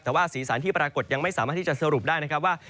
แต่ว่าสีสันที่ปรากฏยังไม่สามารถที่จะสรุปได้นะครับว่า